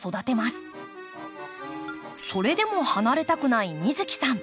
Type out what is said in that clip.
それでも離れたくない美月さん。